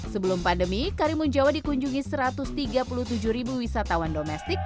sebelum pandemi karimun jawa dikunjungi satu ratus tiga puluh tujuh ribu wisatawan domestik